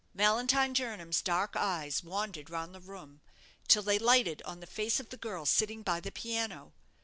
Valentine Jernam's dark eyes wandered round the room, till they lighted on the face of the girl sitting by the piano.